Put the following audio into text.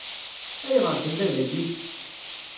Ayɣer tella dagi?